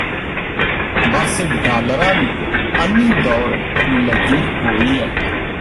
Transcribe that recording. ਬੱਸ ਡਾਲਰਾਂ ਦੀ ਅੰਨ੍ਹੀ ਦੌੜ ਲੱਗੀ ਹੋਈ ਐ